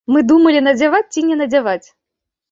Мы думалі, надзяваць ці не надзяваць.